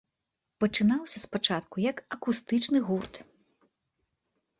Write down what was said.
Пачынаўся спачатку, як акустычны гурт.